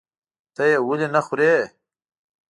ته یې ولې نخورې؟